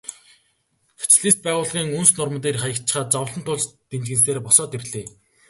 Социалист байгуулалтын үнс нурман дээр хаягдчихаад зовлон туулж дэнжгэнэсээр босоод ирлээ.